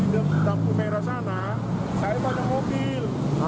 di tampu merah sana saya banyak mobil